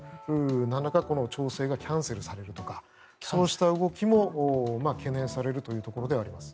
なんらか、調整がキャンセルされるとかそうした動きも懸念されるというところではあります。